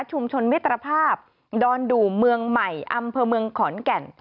มิตรภาพดอนดูเมืองใหม่อำเภอเมืองขอนแก่น